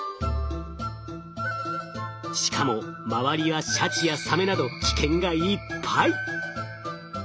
しかも周りはシャチやサメなど危険がいっぱい！